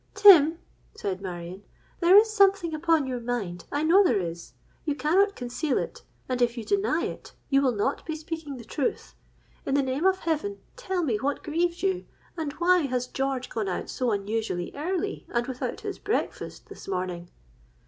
'Tim,' said Marion, 'there is something upon your mind: I know there is. You cannot conceal it; and if you deny it, you will not be speaking the truth. In the name of heaven, tell me what grieves you! And why has George gone out so unusually early and without his breakfast this morning?'